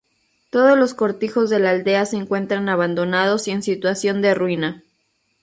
Todos los cortijos de la aldea se encuentran abandonados y en situación de ruina.